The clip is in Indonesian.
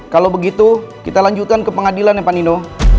kalau begitu kita lanjutkan ke pengadilan ya pak nino